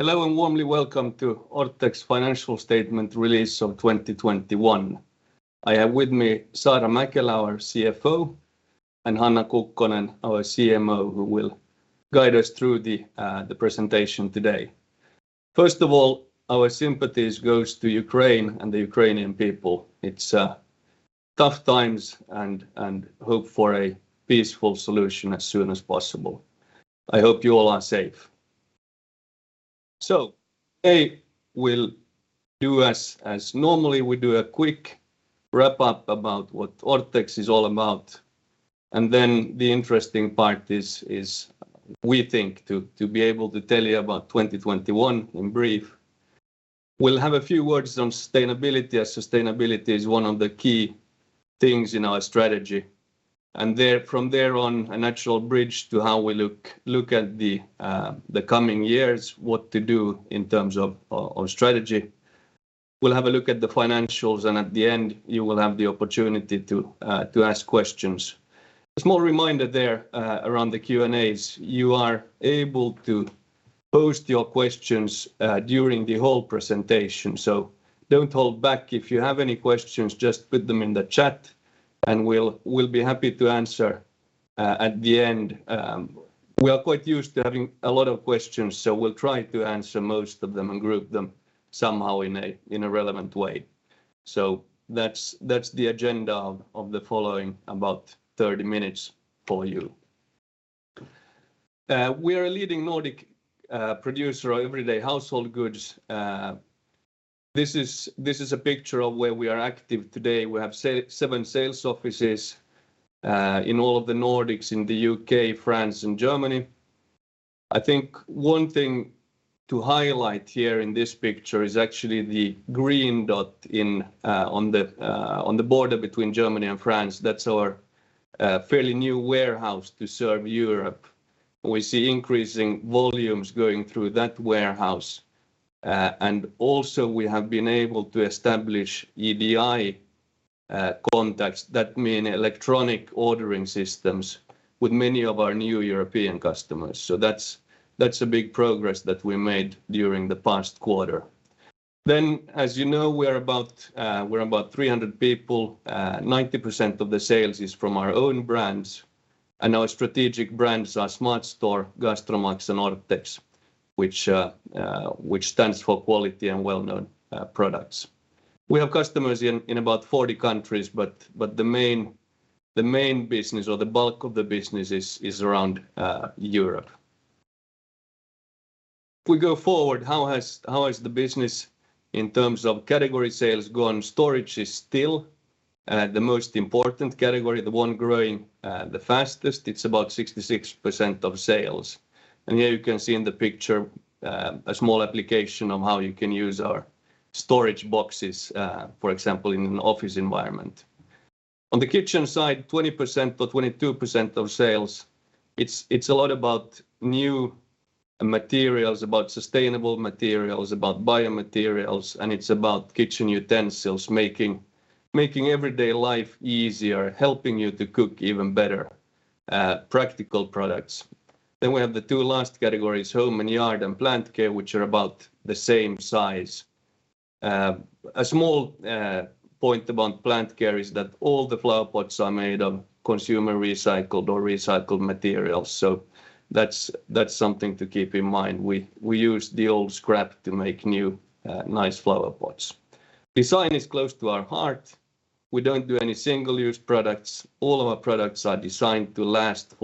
Hello, and warmly welcome to Orthex Financial Statement Release of 2021. I have with me Saara Mäkelä, our CFO, and Hanna Kukkonen, our CMO, who will guide us through the presentation today. First of all, our sympathies goes to Ukraine and the Ukrainian people. It's tough times and hope for a peaceful solution as soon as possible. I hope you all are safe. Today we'll do as normally we do a quick wrap-up about what Orthex is all about, and then the interesting part is we think to be able to tell you about 2021 in brief. We'll have a few words on sustainability, as sustainability is one of the key things in our strategy. There, from there on, a natural bridge to how we look at the coming years, what to do in terms of strategy. We'll have a look at the financials, and at the end, you will have the opportunity to ask questions. A small reminder there around the Q&As, you are able to post your questions during the whole presentation. Don't hold back. If you have any questions, just put them in the chat, and we'll be happy to answer at the end. We are quite used to having a lot of questions, so we'll try to answer most of them and group them somehow in a relevant way. That's the agenda of the following about 30 minutes for you. We are a leading Nordic producer of everyday household goods. This is a picture of where we are active today. We have seven sales offices in all of the Nordics, in the U.K., France and Germany. I think one thing to highlight here in this picture is actually the green dot on the border between Germany and France. That's our fairly new warehouse to serve Europe. We see increasing volumes going through that warehouse. Also we have been able to establish EDI contacts that mean electronic ordering systems with many of our new European customers. That's a big progress that we made during the past quarter. As you know, we're about 300 people. 90% of the sales is from our own brands, and our strategic brands are SmartStore, GastroMax, and Orthex, which stands for quality and well-known products. We have customers in about 40 countries, but the main business or the bulk of the business is around Europe. If we go forward, how has the business in terms of category sales gone? Storage is still the most important category, the one growing the fastest. It's about 66% of sales. Here you can see in the picture a small application of how you can use our storage boxes, for example, in an office environment. On the kitchen side, 20%-22% of sales, it's a lot about new materials, about sustainable materials, about bio materials, and it's about kitchen utensils making everyday life easier, helping you to cook even better, practical products. We have the two last categories, Home & Yard and plant care, which are about the same size. A small point about plant care is that all the flower pots are made of consumer recycled or recycled materials, so that's something to keep in mind. We use the old scrap to make new nice flower pots. Design is close to our heart. We don't do any single-use products. All of our products are designed to last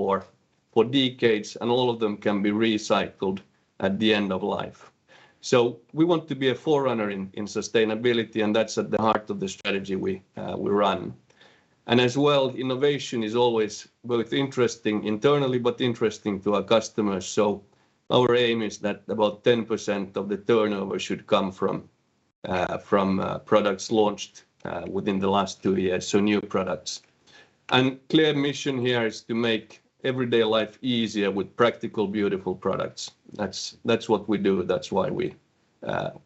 for decades, and all of them can be recycled at the end of life. We want to be a forerunner in sustainability, and that's at the heart of the strategy we run. And as well, innovation is always both interesting internally, but interesting to our customers. Our aim is that about 10% of the turnover should come from products launched within the last two years, new products. Our clear mission here is to make everyday life easier with practical, beautiful products. That's what we do. That's why we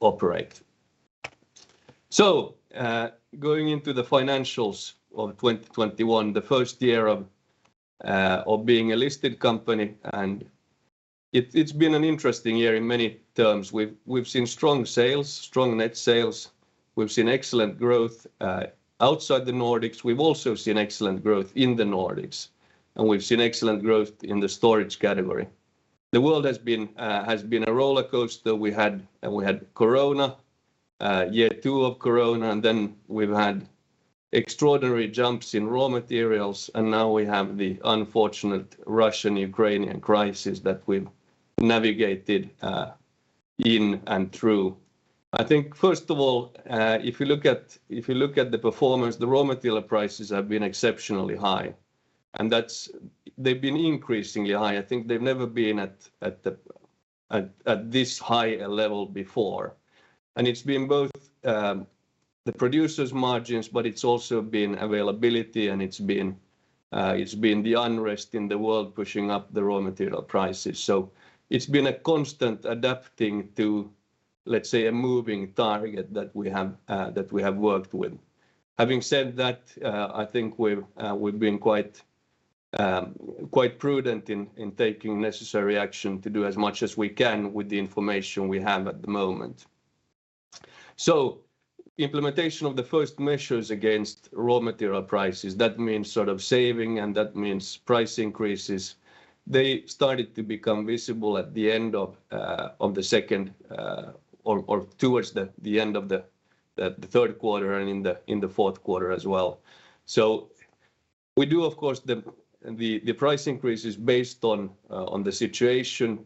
operate. Going into the financials of 2021, the first year of being a listed company, and it's been an interesting year in many terms. We've seen strong sales, strong net sales. We've seen excellent growth outside the Nordics. We've also seen excellent growth in the Nordics, and we've seen excellent growth in the storage category. The world has been a rollercoaster. We had Corona, year two of Corona, and then we've had extraordinary jumps in raw materials, and now we have the unfortunate Russian-Ukrainian crisis that we've navigated in and through. I think, first of all, if you look at the performance, the raw material prices have been exceptionally high. They've been increasingly high. I think they've never been at this high a level before. It's been both the producer's margins, but it's also been availability, and it's been the unrest in the world pushing up the raw material prices. It's been a constant adapting to, let's say, a moving target that we have worked with. Having said that, I think we've been quite prudent in taking necessary action to do as much as we can with the information we have at the moment. Implementation of the first measures against raw material prices, that means sort of saving, and that means price increases. They started to become visible at the end of the second or towards the end of the third quarter and in the fourth quarter as well. The price increase is based on the situation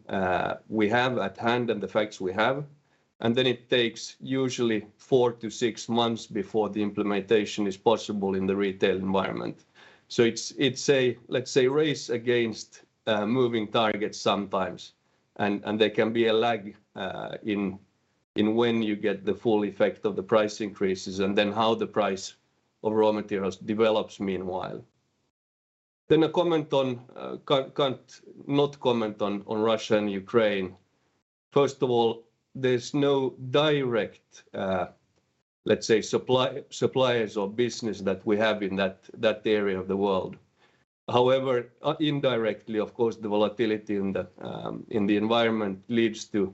we have at hand and the facts we have. It takes usually four to six months before the implementation is possible in the retail environment. It's a, let's say, race against moving targets sometimes, and there can be a lag in when you get the full effect of the price increases and then how the price of raw materials develops meanwhile. A comment on can't not comment on Russia and Ukraine. First of all, there's no direct, let's say suppliers or business that we have in that area of the world. However, indirectly, of course, the volatility in the environment leads to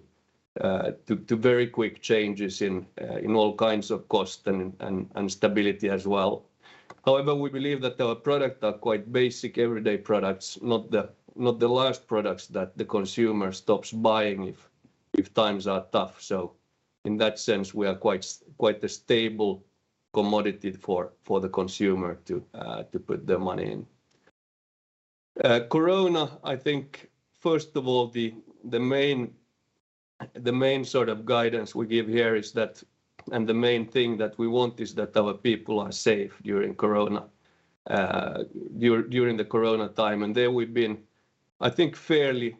very quick changes in all kinds of costs and stability as well. However, we believe that our products are quite basic everyday products, not the last products that the consumer stops buying if times are tough. In that sense, we are quite a stable commodity for the consumer to put their money in. Corona, I think first of all, the main sort of guidance we give here is that the main thing that we want is that our people are safe during the Corona time. There we've been, I think, fairly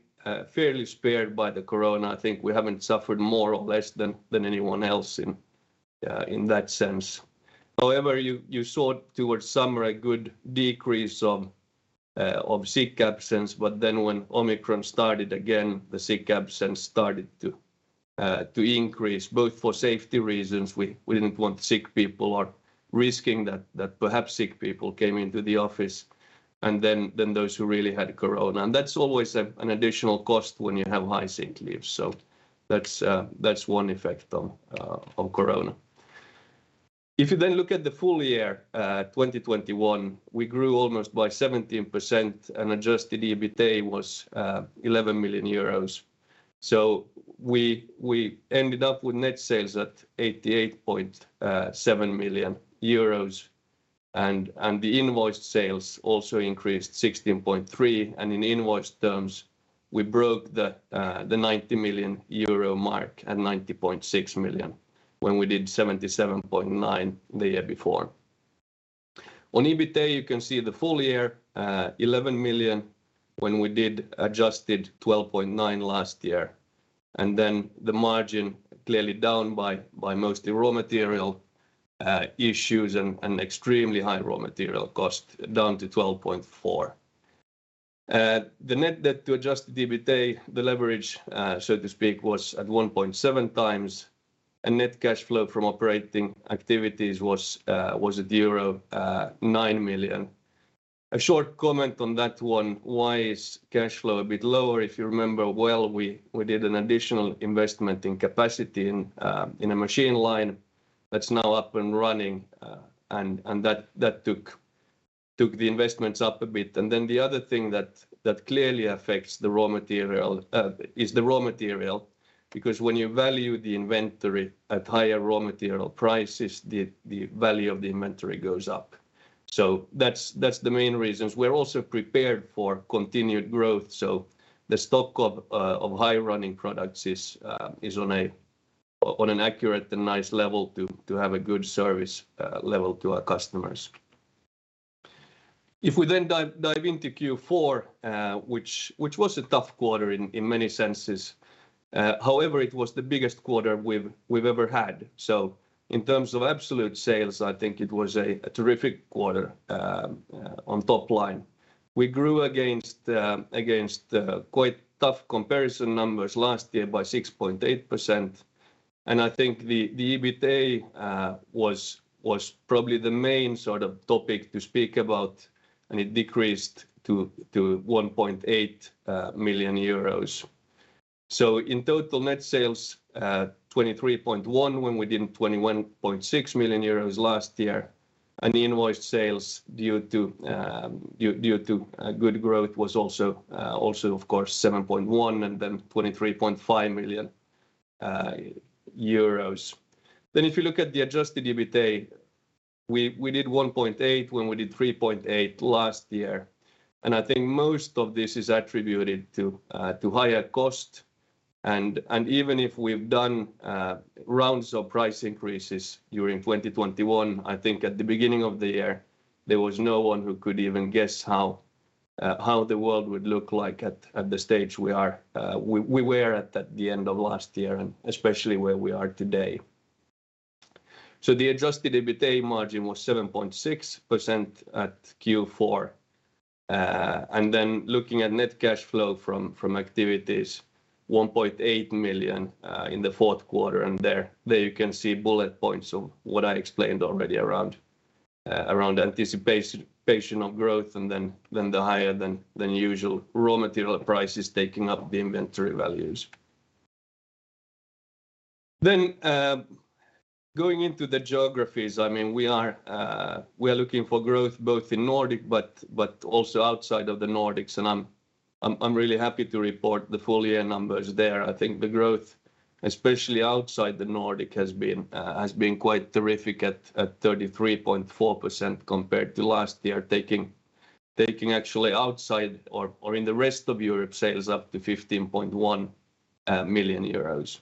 spared by the Corona. I think we haven't suffered more or less than anyone else in that sense. However, you saw towards summer a good decrease of sick absence, but then when Omicron started again, the sick absence started to increase both for safety reasons. We didn't want sick people or risking that perhaps sick people came into the office and then those who really had Corona. That's always an additional cost when you have high sick leave. That's one effect of Corona. If you then look at the full year, 2021, we grew almost by 17% and Adjusted EBITA was 11 million euros. We ended up with net sales at 88.7 million euros and the invoiced sales also increased 16.3%, and in invoice terms, we broke the 90-million euro mark at 90.6 million when we did 77.9 million the year before. On EBITA, you can see the full year 11 million when we did adjusted 12.9 million last year. The margin clearly down by mostly raw material issues and extremely high raw material cost down to 12.4%. The net debt to Adjusted EBITA, the leverage, so to speak, was at 1.7x, and net cash flow from operating activities was euro 9 million. A short comment on that one, why is cash flow a bit lower? If you remember well, we did an additional investment in capacity in a machine line that's now up and running. That took the investments up a bit. Then the other thing that clearly affects the raw material is the raw material because when you value the inventory at higher raw material prices, the value of the inventory goes up. That's the main reasons. We're also prepared for continued growth. The stock of high-running products is on an accurate and nice level to have a good service level to our customers. If we then dive into Q4, which was a tough quarter in many senses, however, it was the biggest quarter we've ever had. In terms of absolute sales, I think it was a terrific quarter on top line. We grew against the quite tough comparison numbers last year by 6.8%. I think the EBITA was probably the main sort of topic to speak about, and it decreased to 1.8 million euros. In total net sales, 23.1 when we did in 21.6 million euros last year. The invoiced sales due to good growth was also of course 7.1% and then EUR 23.5 million. If you look at the Adjusted EBITA, we did 1.8 million when we did 3.8 million last year, and I think most of this is attributed to higher cost. Even if we've done rounds of price increases during 2021, I think at the beginning of the year, there was no one who could even guess how the world would look like at the stage we were at the end of last year and especially where we are today. The Adjusted EBITA margin was 7.6% at Q4. Looking at net cash flow from activities 1.8 million in the fourth quarter, there you can see bullet points of what I explained already around anticipation of growth and then the higher than usual raw material prices taking up the inventory values. Going into the geographies, I mean, we are looking for growth both in Nordic but also outside of the Nordics. I'm really happy to report the full year numbers there. I think the growth, especially outside the Nordic, has been quite terrific at 33.4% compared to last year, taking actually outside or in the rest of Europe sales up to 15.1 million euros.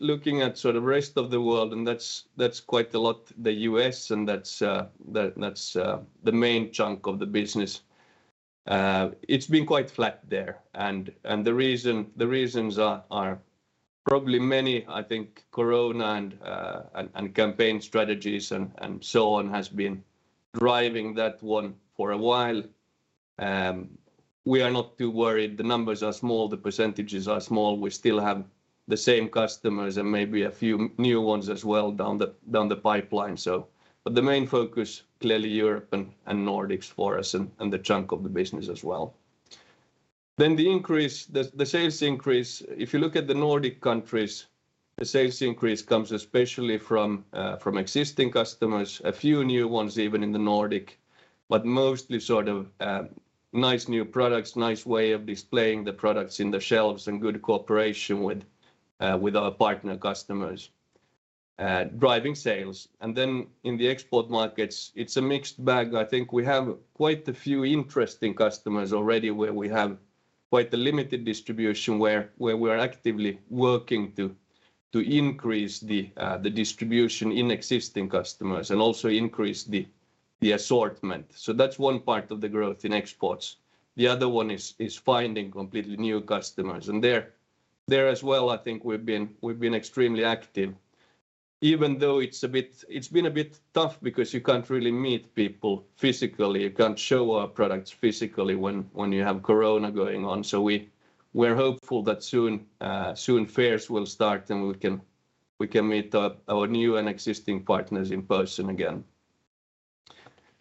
Looking at sort of rest of the world, and that's quite a lot, the U.S. and that's the main chunk of the business. It's been quite flat there. The reasons are probably many. I think Corona and campaign strategies and so on has been driving that one for a while. We are not too worried. The numbers are small. The percentages are small. We still have the same customers and maybe a few new ones as well down the pipeline. The main focus, clearly Europe and Nordics for us and the chunk of the business as well. The sales increase, if you look at the Nordic countries, comes especially from existing customers, a few new ones even in the Nordic, but mostly sort of nice new products, nice way of displaying the products in the shelves and good cooperation with our partner customers driving sales. In the export markets, it's a mixed bag. I think we have quite a few interesting customers already where we have quite a limited distribution where we're actively working to increase the distribution in existing customers and also increase the assortment. That's one part of the growth in exports. The other one is finding completely new customers. There as well I think we've been extremely active even though it's been a bit tough because you can't really meet people physically. You can't show our products physically when you have Corona going on. We're hopeful that soon fairs will start and we can meet up our new and existing partners in person again.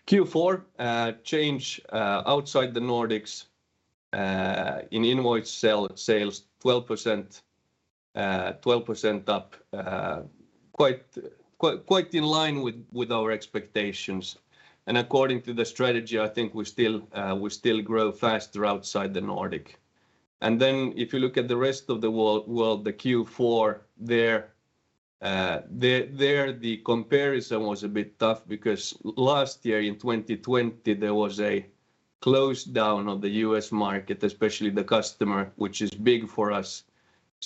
Q4 change outside the Nordics in invoice sales 12% up, quite in line with our expectations. According to the strategy, I think we still grow faster outside the Nordic. Then if you look at the rest of the world, the Q4 there the comparison was a bit tough because last year in 2020, there was a lockdown of the U.S. market, especially the customer, which is big for us.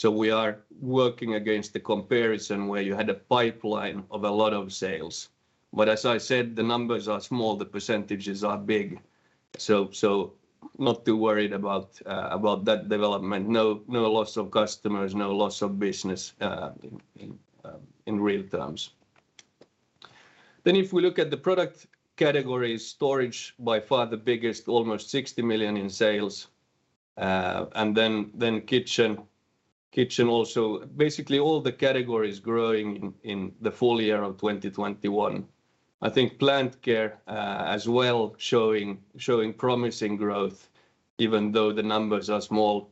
We are working against the comparison where you had a pipeline of a lot of sales. As I said, the numbers are small, the percentages are big, so not too worried about that development. No loss of customers, no loss of business in real terms. If we look at the product categories, storage by far the biggest, almost 60 million in sales. Kitchen also. Basically, all the categories growing in the full year of 2021. I think plant care as well showing promising growth even though the numbers are small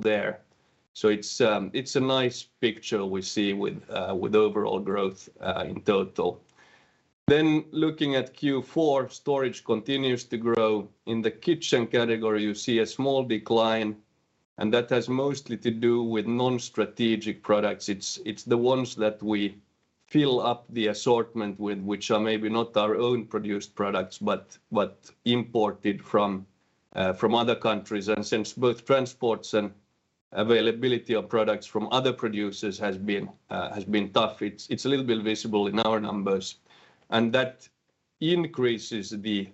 there. It's a nice picture we see with overall growth in total. Looking at Q4, storage continues to grow. In the kitchen category, you see a small decline, and that has mostly to do with non-strategic products. It's the ones that we fill up the assortment with, which are maybe not our own produced products but imported from other countries. Since both transports and availability of products from other producers has been tough, it's a little bit visible in our numbers. That increases the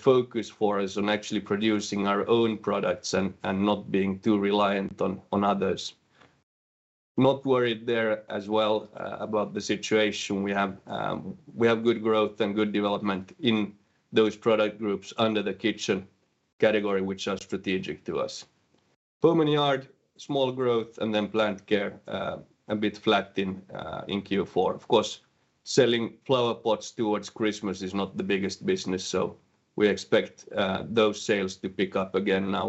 focus for us on actually producing our own products and not being too reliant on others. Not worried there as well about the situation. We have good growth and good development in those product groups under the kitchen category, which are strategic to us. Home & Yard, small growth, and then plant care, a bit flat in Q4. Of course, selling flower pots towards Christmas is not the biggest business, so we expect those sales to pick up again now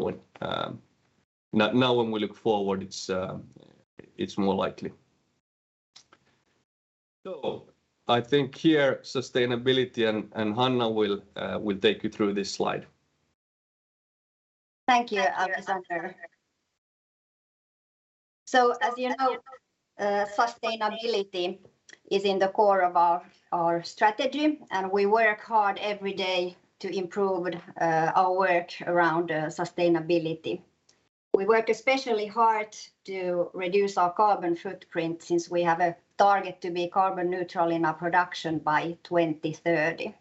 when we look forward, it's more likely. I think here, sustainability and Hanna will take you through this slide. Thank you, Alexander. As you know, sustainability is in the core of our strategy, and we work hard every day to improve our work around sustainability. We work especially hard to reduce our carbon footprint since we have a target to be carbon neutral in our production by 2030.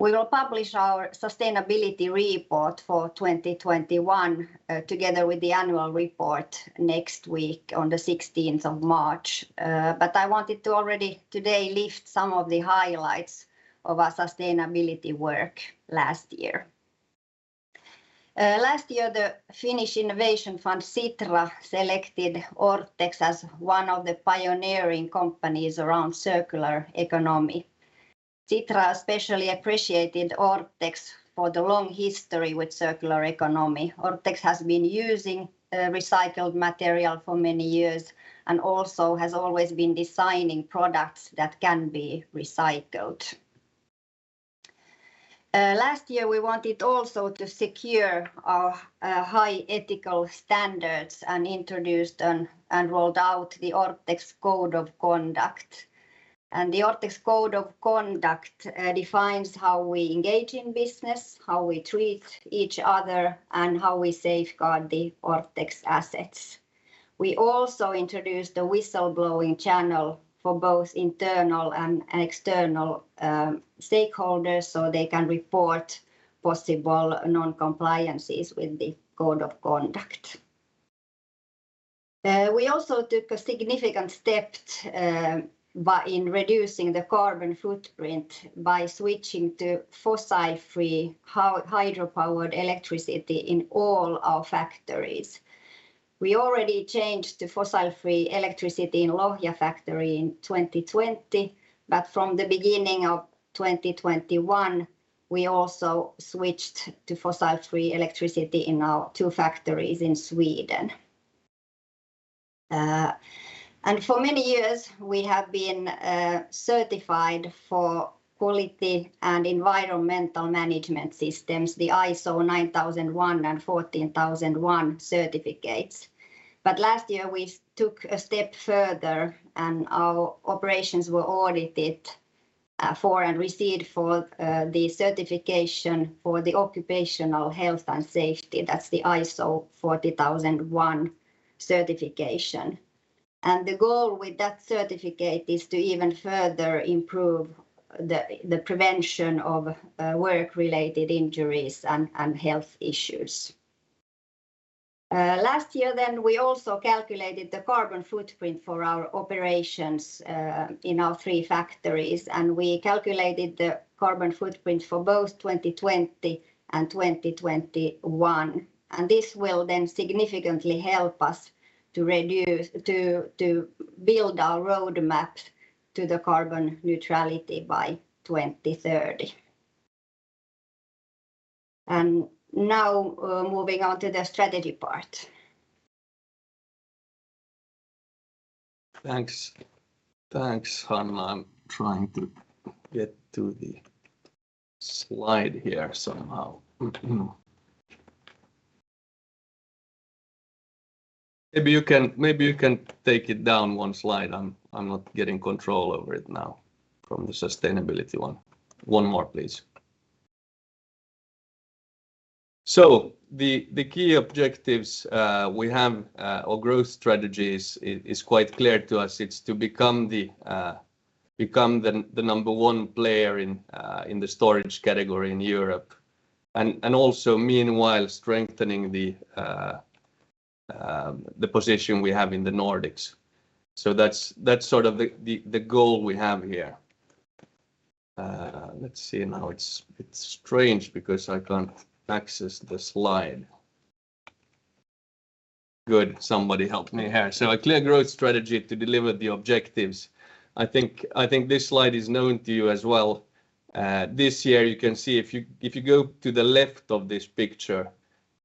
We will publish our sustainability report for 2021 together with the Annual Report next week on the 16th of March. I wanted to already today lift some of the highlights of our sustainability work last year. Last year the Finnish Innovation Fund Sitra selected Orthex as one of the pioneering companies around circular economy. Sitra especially appreciated Orthex for the long history with circular economy. Orthex has been using recycled material for many years, and also has always been designing products that can be recycled. Last year we wanted also to secure our high ethical standards and introduced and rolled out the Orthex's Code of Conduct. The Orthex's Code of Conduct defines how we engage in business, how we treat each other, and how we safeguard the Orthex assets. We also introduced a whistleblowing channel for both internal and external stakeholders, so they can report possible non-compliances with the Code of Conduct. We also took a significant step in reducing the carbon footprint by switching to fossil-free hydro-powered electricity in all our factories. We already changed to fossil-free electricity in Lohja factory in 2020, but from the beginning of 2021, we also switched to fossil-free electricity in our two factories in Sweden. For many years we have been certified for quality and environmental management systems, the ISO 9001 and ISO 14001 certificates. Last year we took a step further, and our operations were audited and received the certification for occupational health and safety. That's the ISO 45001 certification. The goal with that certificate is to even further improve the prevention of work-related injuries and health issues. Last year we also calculated the carbon footprint for our operations in our three factories, and we calculated the carbon footprint for both 2020 and 2021. This will then significantly help us to build our roadmaps to carbon neutrality by 2030. Now, moving on to the strategy part. Thanks. Thanks, Hanna. I'm trying to get to the slide here somehow. Maybe you can take it down one slide. I'm not getting control over it now. From the sustainability one. One more please. The key objectives we have or growth strategies is quite clear to us. It's to become the number one player in the storage category in Europe and also meanwhile strengthening the position we have in the Nordics. That's sort of the goal we have here. Let's see now. It's strange because I can't access the slide. Good. Somebody helped me here. A clear growth strategy to deliver the objectives. I think this slide is known to you as well. This year you can see if you go to the left of this picture,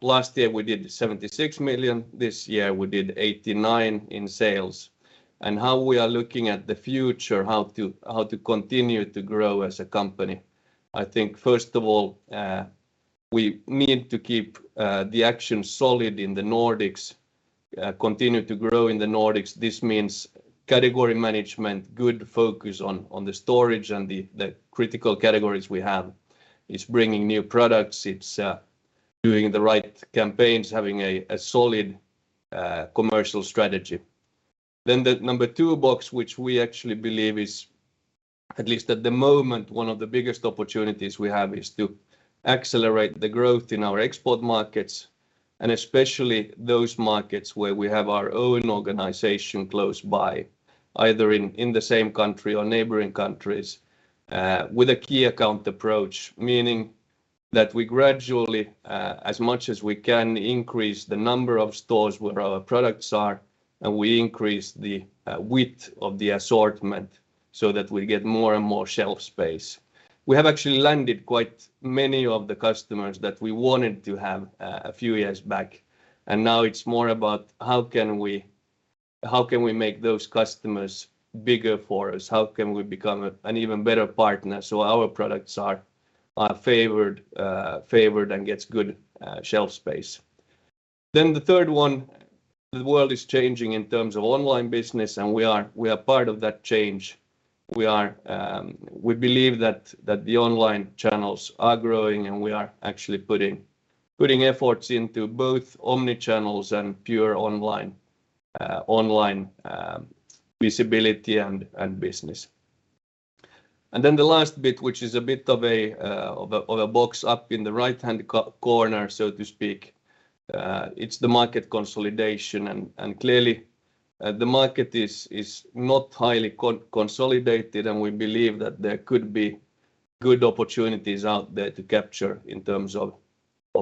last year we did 76 million. This year we did 89 million in sales. How we are looking at the future, how to continue to grow as a company, I think first of all, we need to keep the traction solid in the Nordics, continue to grow in the Nordics. This means category management, good focus on the storage and the critical categories we have. It's bringing new products. It's doing the right campaigns, having a solid commercial strategy. The number two box which we actually believe is, at least at the moment, one of the biggest opportunities we have is to accelerate the growth in our export markets, and especially those markets where we have our own organization close by, either in the same country or neighboring countries, with a key account approach. Meaning that we gradually, as much as we can, increase the number of stores where our products are, and we increase the width of the assortment so that we get more and more shelf space. We have actually landed quite many of the customers that we wanted to have a few years back, and now it's more about how can we make those customers bigger for us? How can we become an even better partner so our products are favored and gets good shelf space? The third one, the world is changing in terms of online business, and we are part of that change. We believe that the online channels are growing, and we are actually putting efforts into both omnichannels and pure online visibility and business. The last bit, which is a bit of a box up in the right-hand corner, so to speak. It's the market consolidation and clearly the market is not highly consolidated, and we believe that there could be good opportunities out there to capture in terms of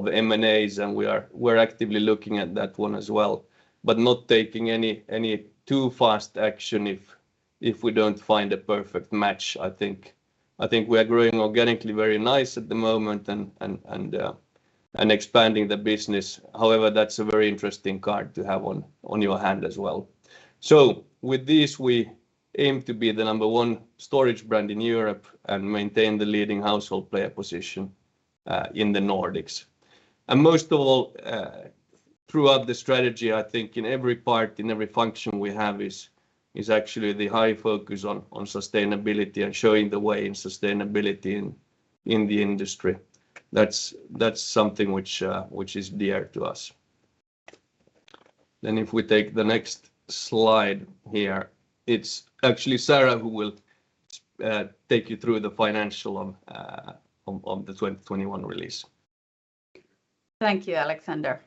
M&As. We're actively looking at that one as well, but not taking any too fast action if we don't find a perfect match, I think. I think we are growing organically very nice at the moment and expanding the business. However, that's a very interesting card to have on your hand as well. With this, we aim to be the number one storage brand in Europe and maintain the leading household player position in the Nordics. Most of all, throughout the strategy, I think in every part, in every function we have is actually the high focus on sustainability and showing the way in sustainability in the industry. That's something which is dear to us. If we take the next slide here, it's actually Saara who will take you through the financials on the 2021 release. Thank you, Alexander.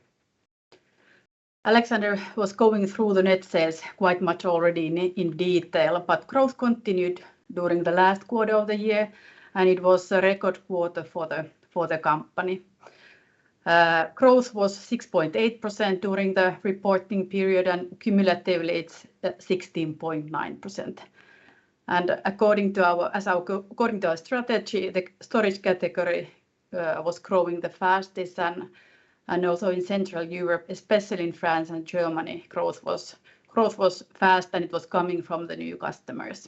Alexander was going through the net sales quite much already in detail. Growth continued during the last quarter of the year, and it was a record quarter for the company. Growth was 6.8% during the reporting period, and cumulatively it's 16.9%. According to our strategy, the storage category was growing the fastest. Also in Central Europe, especially in France and Germany, growth was fast, and it was coming from the new customers.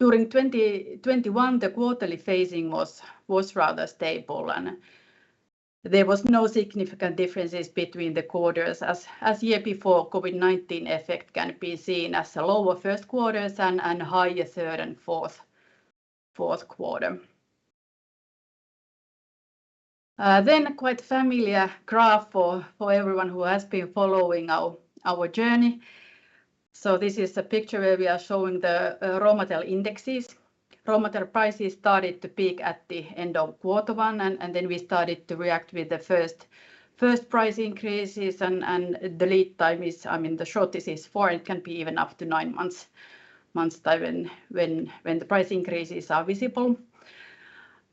During 2021, the quarterly phasing was rather stable, and there was no significant differences between the quarters. As in the year before, COVID-19 effect can be seen as lower first quarters and higher third and fourth quarter. Quite familiar graph for everyone who has been following our journey. This is a picture where we are showing the raw material indexes. Raw material prices started to peak at the end of quarter one, and then we started to react with the first price increases. The lead time is, I mean, the shortest is four. It can be even up to nine months time when the price increases are visible.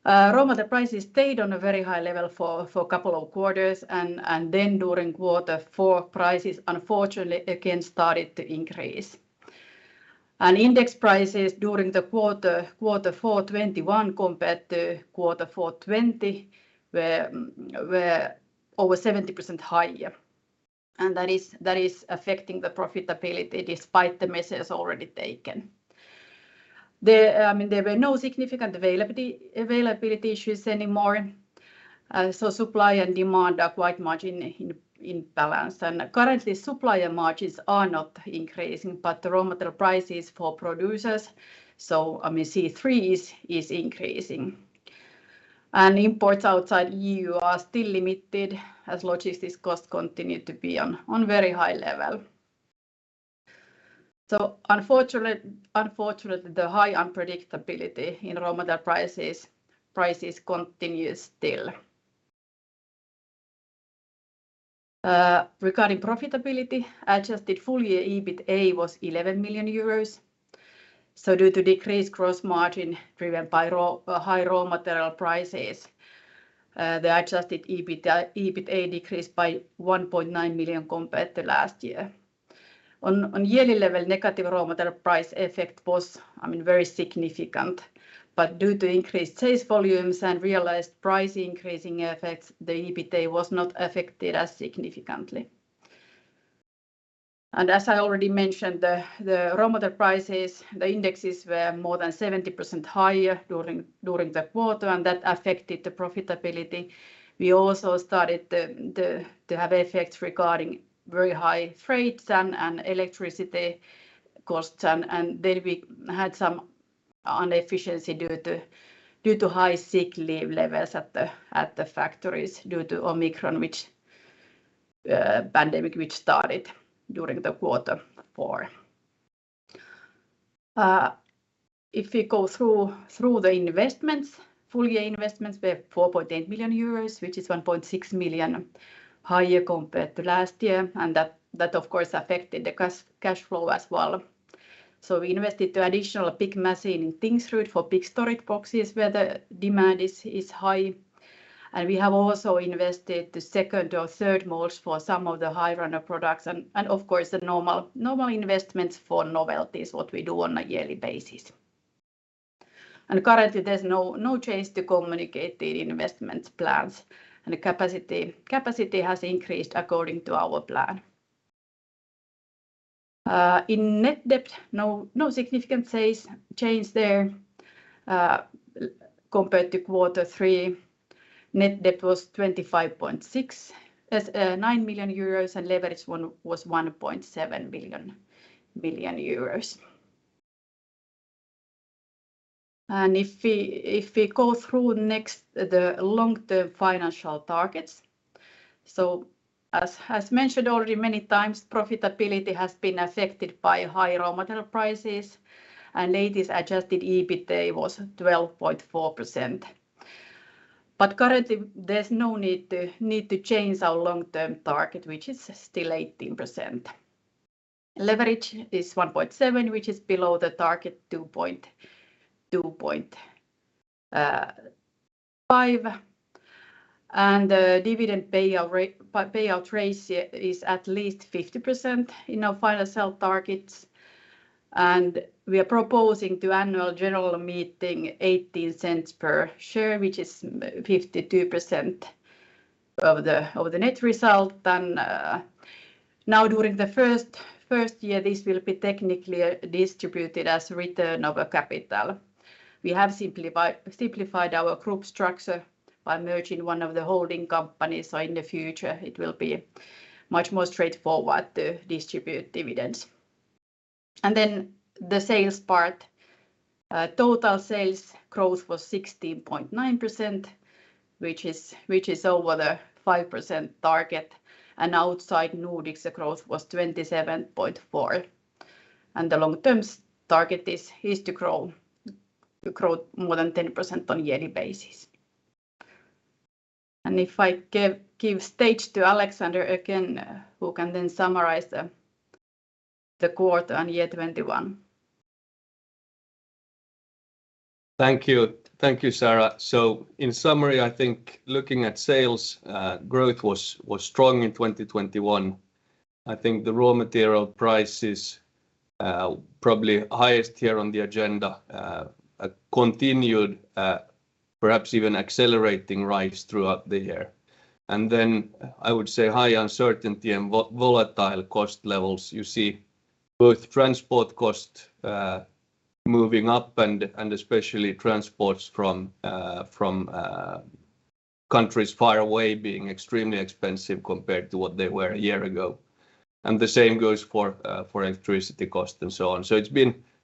Raw material prices stayed on a very high level for a couple of quarters. Then during quarter four, prices unfortunately again started to increase. Index prices during the quarter four 2021 compared to quarter four 2020 were over 70% higher. That is affecting the profitability despite the measures already taken. The There were no significant availability issues anymore. Supply and demand are quite much in balance. Currently, supplier margins are not increasing, but the raw material prices for producers. I mean, C3s is increasing. Imports outside EU are still limited as logistics costs continue to be on very high level. Unfortunately, the high unpredictability in raw material prices continues still. Regarding profitability, Adjusted full year EBITA was 11 million euros. Due to decreased gross margin driven by high raw material prices, the Adjusted EBITA decreased by 1.9 million compared to last year. On yearly level, negative raw material price effect was, I mean, very significant. Due to increased sales volumes and realized price increasing effects, the EBITA was not affected as significantly. As I already mentioned, the raw material prices, the indexes were more than 70% higher during the quarter, and that affected the profitability. We also started to have effects regarding very high freights and electricity costs. Then we had some inefficiency due to high sick leave levels at the factories due to Omicron pandemic which started during quarter four. If we go through the investments, full year investments were 4.8 million euros, which is 1.6 million higher compared to last year. That of course affected the cash flow as well. We invested in an additional pick machine in Tingsryd for big storage boxes where the demand is high. We have also invested to second or third molds for some of the high runner products and of course the normal investments for novelties, what we do on a yearly basis. Currently there's no change to communicate the investments plans. Capacity has increased according to our plan. In net debt, no significant change there. Compared to quarter three, net debt was 25.69 million euros, and leverage was 1.7x. If we go through next the long-term financial targets. As mentioned already many times, profitability has been affected by high raw material prices, and latest Adjusted EBITA was 12.4%. Currently there's no need to change our long-term target, which is still 18%. Leverage is 1.7x, which is below the target 2.5x. Dividend payout ratio is at least 50% in our financial targets. We are proposing to the Annual General Meeting 0.18 per share, which is 52% of the net result. Now during the first year this will be technically distributed as return of capital. We have simplified our group structure by merging one of the holding companies, so in the future it will be much more straightforward to distribute dividends. The sales part, total sales growth was 16.9%, which is over the 5% target, and outside Nordics the growth was 27.4%. The long-term target is to grow more than 10% on yearly basis. If I give stage to Alexander again, who can then summarize the quarter and year 2021. Thank you. Thank you, Saara. In summary, I think looking at sales growth was strong in 2021. I think the raw material prices probably highest here on the agenda, a continued perhaps even accelerating rise throughout the year. I would say high uncertainty and volatile cost levels. You see both transport cost moving up and especially transports from countries far away being extremely expensive compared to what they were a year ago. The same goes for electricity cost and so on.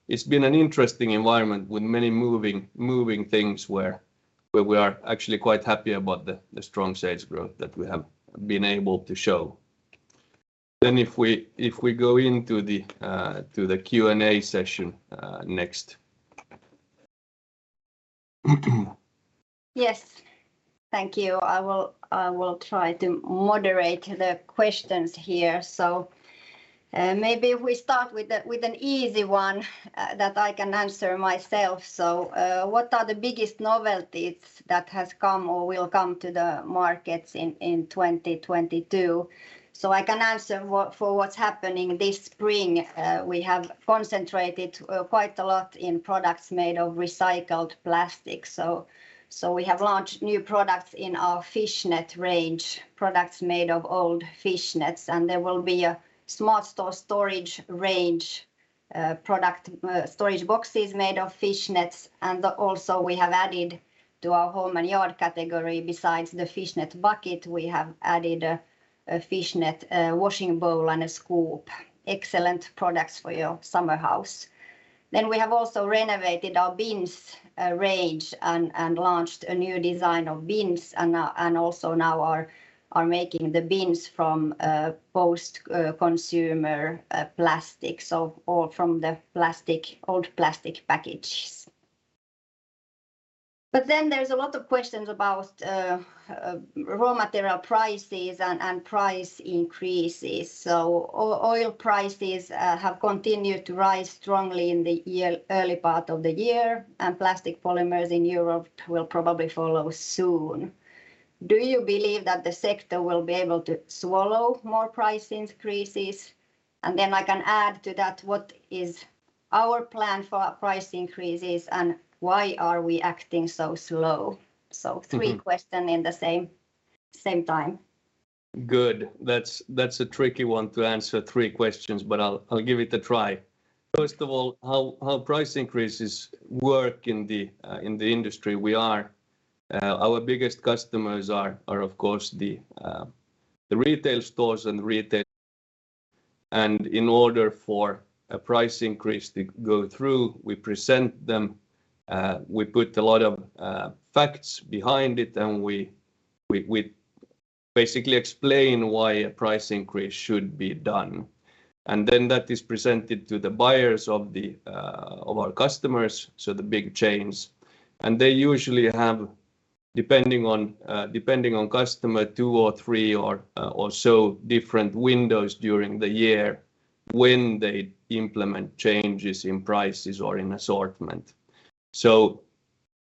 It's been an interesting environment with many moving things where we are actually quite happy about the strong sales growth that we have been able to show. If we go into the Q&A session next. Yes. Thank you. I will try to moderate the questions here. Maybe if we start with an easy one that I can answer myself. What are the biggest novelties that has come or will come to the markets in 2022? I can answer what's happening this spring. We have concentrated quite a lot in products made of recycled plastic. We have launched new products in our fishing nets range, products made of old fishing nets, and there will be a SmartStore storage range, storage boxes made of fishing nets. We have added to our Home & Yard category, besides the fishing net bucket, a fishing net washing bowl, and a scoop. Excellent products for your summer house. We have also renovated our bins range and launched a new design of bins and now also are making the bins from post-consumer plastic. All from old plastic packages. There's a lot of questions about raw material prices and price increases. Oil prices have continued to rise strongly in the early part of the year, and plastic polymers in Europe will probably follow soon. Do you believe that the sector will be able to swallow more price increases? I can add to that what is our plan for price increases and why are we acting so slow? Three questions at the same time. Good. That's a tricky one to answer three questions, but I'll give it a try. First of all, how price increases work in the industry. Our biggest customers are of course the retail stores and retail. In order for a price increase to go through, we present them, we put a lot of facts behind it and we basically explain why a price increase should be done. Then that is presented to the buyers of our customers, so the big chains. They usually have, depending on customer, two or three or so different windows during the year when they implement changes in prices or in assortment.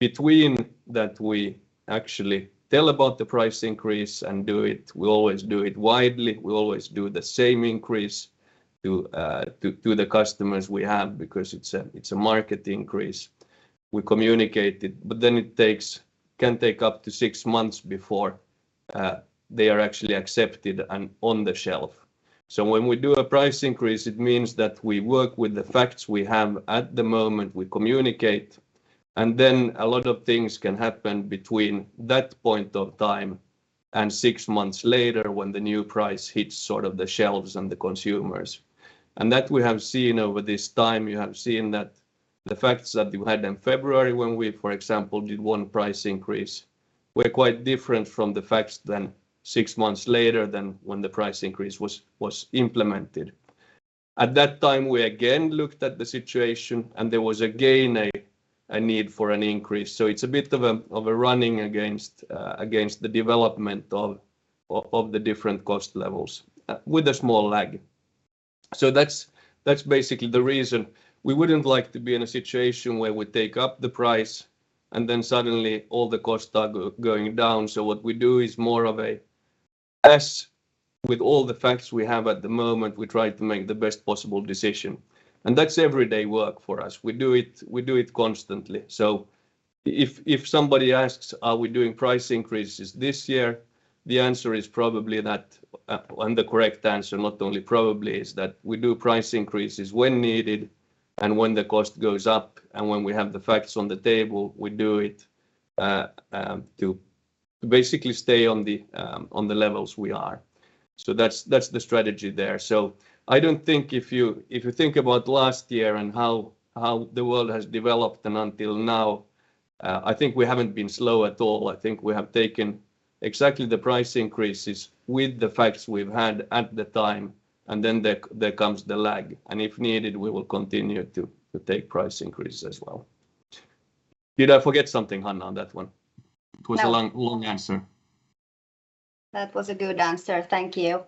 Between that we actually tell about the price increase and do it, we always do it widely. We always do the same increase to the customers we have because it's a market increase. We communicate it, but then it can take up to six months before they are actually accepted and on the shelf. When we do a price increase, it means that we work with the facts we have at the moment. We communicate, and then a lot of things can happen between that point of time and six months later when the new price hits sort of the shelves and the consumers. That we have seen over this time. You have seen that the facts that we had in February when we, for example, did one price increase were quite different from the facts that six months later that when the price increase was implemented. At that time, we again looked at the situation and there was again a need for an increase. It's a bit of a running against the development of the different cost levels with a small lag. That's basically the reason. We wouldn't like to be in a situation where we take up the price and then suddenly all the costs start going down. What we do is more of a, as with all the facts we have at the moment, we try to make the best possible decision. That's everyday work for us. We do it constantly. If somebody asks, are we doing price increases this year, the answer is probably not, and the correct answer, not only probably, is that we do price increases when needed and when the cost goes up, and when we have the facts on the table, we do it to basically stay on the levels we are. That's the strategy there. I don't think if you think about last year and how the world has developed and until now, I think we haven't been slow at all. I think we have taken exactly the price increases with the facts we've had at the time, and then there comes the lag. If needed, we will continue to take price increases as well. Did I forget something, Hanna, on that one? No. It was a long, long answer. That was a good answer. Thank you.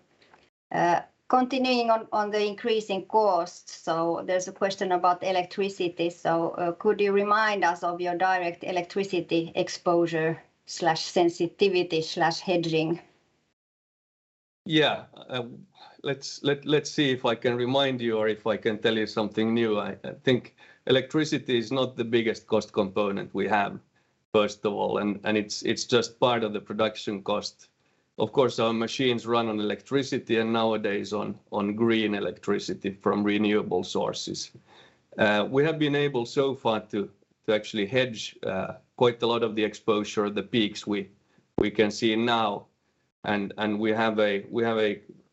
Continuing on the increasing costs, so there's a question about electricity. Could you remind us of your direct electricity exposure/sensitivity/hedging? Yeah. Let's see if I can remind you or if I can tell you something new. I think electricity is not the biggest cost component we have, first of all, and it's just part of the production cost. Of course, our machines run on electricity and nowadays on green electricity from renewable sources. We have been able so far to actually hedge quite a lot of the exposure, the peaks we can see now. We have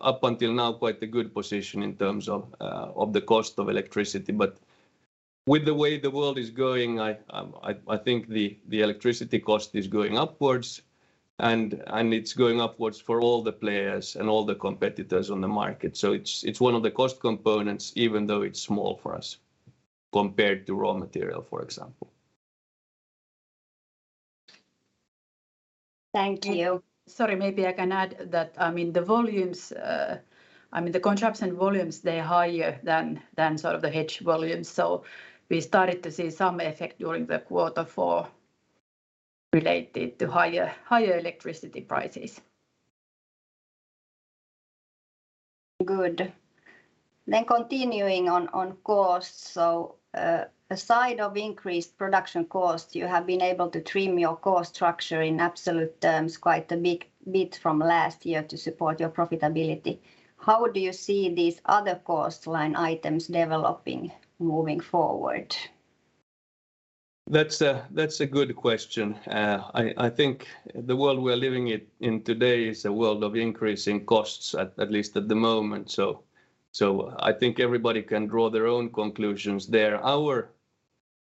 up until now quite a good position in terms of the cost of electricity. With the way the world is going, I think the electricity cost is going upwards, and it's going upwards for all the players and all the competitors on the market. It's one of the cost components even though it's small for us compared to raw material, for example. Thank you. Sorry, maybe I can add that, I mean, the volumes, I mean, the consumption volumes, they're higher than sort of the hedge volumes. We started to see some effect during the quarter related to higher electricity prices. Good. Continuing on costs, aside from increased production cost, you have been able to trim your cost structure in absolute terms quite a bit from last year to support your profitability. How do you see these other cost line items developing moving forward? That's a good question. I think the world we're living in today is a world of increasing costs at least at the moment. I think everybody can draw their own conclusions there.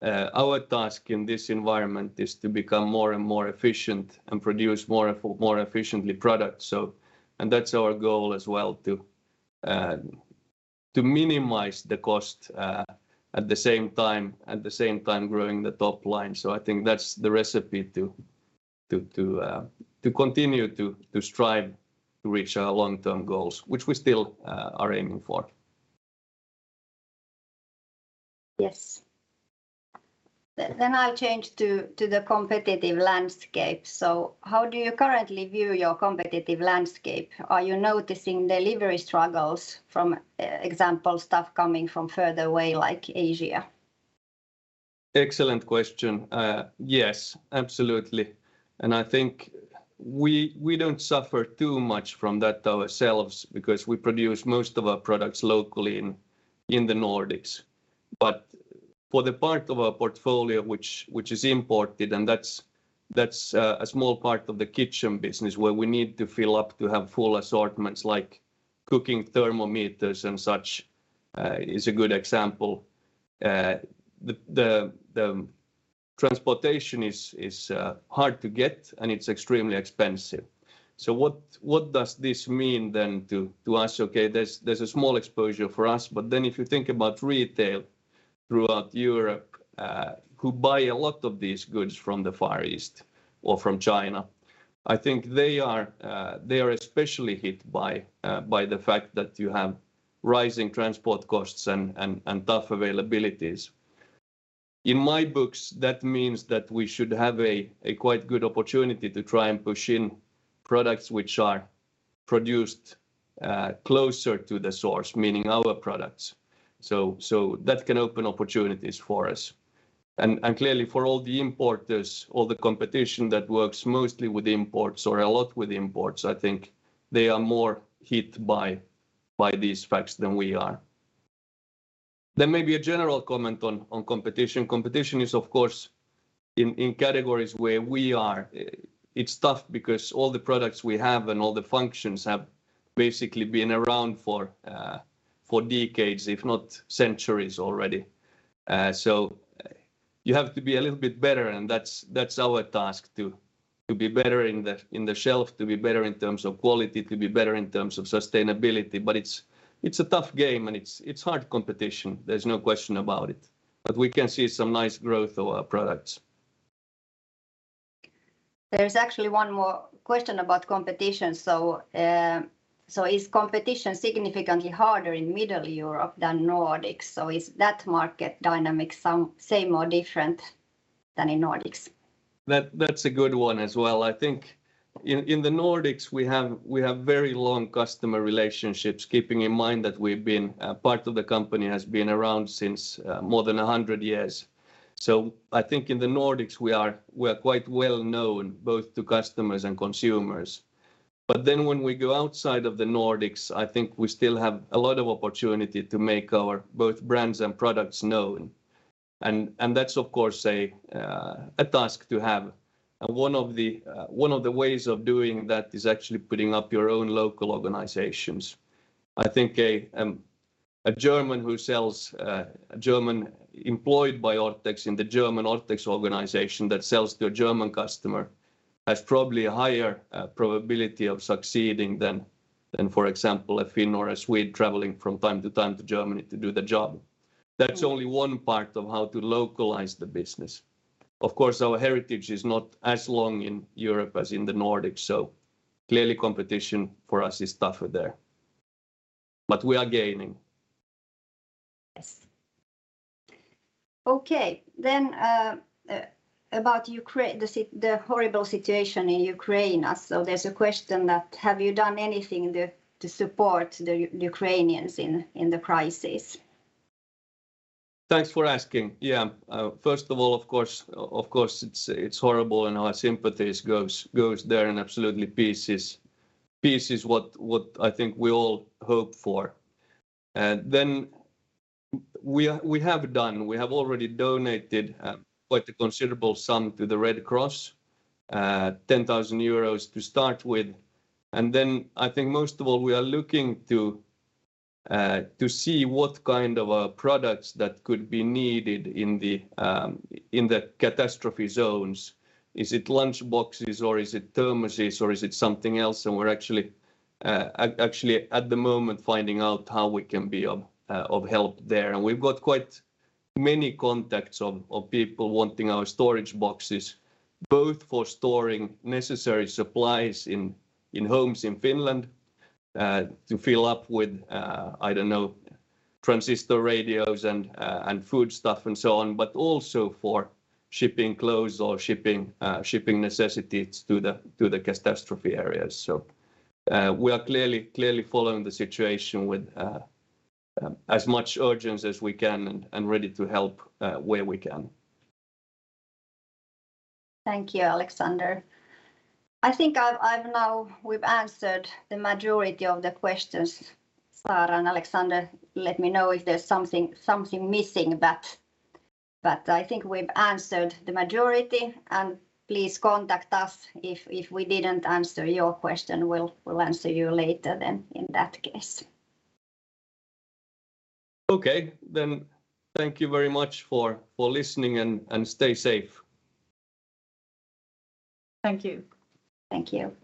Our task in this environment is to become more and more efficient and produce more efficiently product. That's our goal as well to minimize the cost at the same time growing the top line. I think that's the recipe to continue to strive to reach our long-term goals, which we still are aiming for. Yes. I'll change to the competitive landscape. How do you currently view your competitive landscape? Are you noticing delivery struggles from example, stuff coming from further away like Asia? Excellent question. Yes, absolutely. I think we don't suffer too much from that ourselves because we produce most of our products locally in the Nordics. For the part of our portfolio which is imported, and that's a small part of the kitchen business where we need to fill up to have full assortments like cooking thermometers and such, is a good example. The transportation is hard to get and it's extremely expensive. What does this mean then to us? Okay, there's a small exposure for us, but then if you think about retail throughout Europe, who buy a lot of these goods from the Far East or from China, I think they are especially hit by the fact that you have rising transport costs and tough availabilities. In my books, that means that we should have a quite good opportunity to try and push in products which are produced closer to the source, meaning our products. That can open opportunities for us. Clearly for all the importers, all the competition that works mostly with imports or a lot with imports, I think they are more hit by these facts than we are. There may be a general comment on competition. Competition is of course in categories where we are. It's tough because all the products we have and all the functions have basically been around for decades, if not centuries already. You have to be a little bit better, and that's our task to be better on the shelf, to be better in terms of quality, to be better in terms of sustainability. It's a tough game, and it's hard competition. There's no question about it. We can see some nice growth of our products. There's actually one more question about competition. Is competition significantly harder in Middle Europe than Nordics? Is that market dynamic the same or different than in Nordics? That's a good one as well. I think in the Nordics we have very long customer relationships, keeping in mind that a part of the company has been around since more than 100 years. I think in the Nordics we are quite well known both to customers and consumers. When we go outside of the Nordics, I think we still have a lot of opportunity to make our both brands and products known. That's of course a task to have. One of the ways of doing that is actually putting up your own local organizations. I think a German who sells, a German employed by Orthex in the German Orthex organization that sells to a German customer has probably a higher probability of succeeding than, for example, a Finn or a Swede traveling from time to time to Germany to do the job. That's only one part of how to localize the business. Of course, our heritage is not as long in Europe as in the Nordics, so clearly competition for us is tougher there. We are gaining. Yes. Okay. about the horrible situation in Ukraine. There's a question that have you done anything to support the Ukrainians in the crisis? Thanks for asking. Yeah. First of all, of course, it's horrible, and our sympathies goes there, and absolutely peace is what I think we all hope for. We have already donated quite a considerable sum to the Red Cross, 10,000 euros to start with. I think most of all we are looking to see what kind of products that could be needed in the catastrophe zones. Is it lunch boxes, or is it thermoses, or is it something else? We're actually at the moment finding out how we can be of help there. We've got quite many contacts of people wanting our storage boxes both for storing necessary supplies in homes in Finland to fill up with I don't know transistor radios and food stuff and so on, but also for shipping clothes or shipping necessities to the catastrophe areas. We are clearly following the situation with as much urgency as we can and ready to help where we can. Thank you, Alexander. I think I've now. We've answered the majority of the questions. Saara and Alexander, let me know if there's something missing, but I think we've answered the majority. Please contact us if we didn't answer your question. We'll answer you later then in that case. Okay. Thank you very much for listening, and stay safe. Thank you. Thank you.